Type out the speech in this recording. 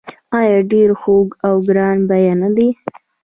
آیا ډیر خوږ او ګران بیه نه دي؟